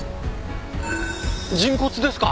人骨ですか？